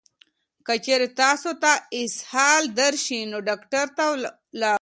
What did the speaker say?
که چېرې تاسو ته اسهال درشي، نو ډاکټر ته ورشئ.